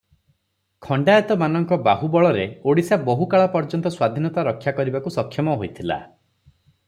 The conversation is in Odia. ଖଣ୍ତାଏତମାନଙ୍କ ବାହୁବଳରେ ଓଡ଼ିଶା ବହୁ କାଳପର୍ଯ୍ୟନ୍ତ ସ୍ୱାଧୀନତା ରକ୍ଷା କରିବାକୁ ସକ୍ଷମ ହୋଇଥିଲା ।